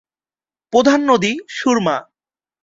প্রধান নদী: সুরমা।